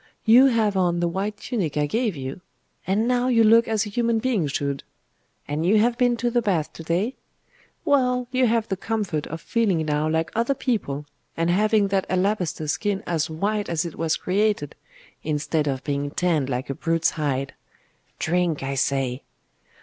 You have on the white tunic I gave you? And now you look as a human being should. And you have been to the baths to day? Well you have the comfort of feeling now like other people, and having that alabaster skin as white as it was created, instead of being tanned like a brute's hide. Drink, I say!